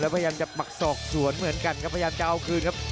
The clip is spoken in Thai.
พยายามจะปักศอกสวนเหมือนกันครับพยายามจะเอาคืนครับ